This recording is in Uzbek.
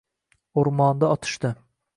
O’rmonda otishdi